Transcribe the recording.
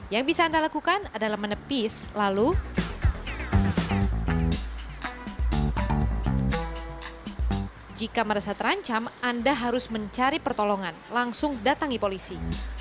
jika anda merasa terancam anda harus mencari pertolongan langsung datangi polisi